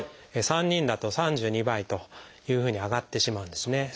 ３人だと３２倍というふうに上がってしまうんですね。